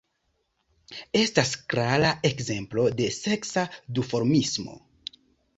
Estas klara ekzemplo de seksa duformismo.